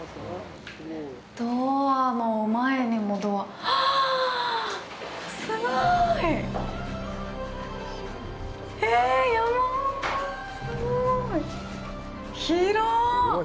ドアの前にもドアあぁすごいえやばすごい広！